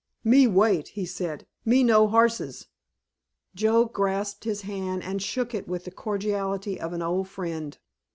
"Me wait," he said, "me know horses." Joe grasped his hand and shook it with the cordiality of an old friend.